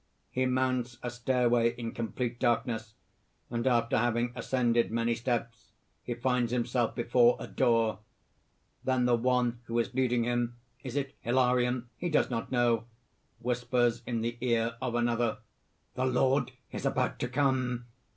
_ He mounts a stairway in complete darkness; and after having ascended many steps, he finds himself before a door. Then the one who is leading him (is it Hilarion? he does not know) whispers in the ear of another: "The Lord is about to come!"